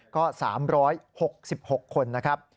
ก็๓๖๖คนนะครับ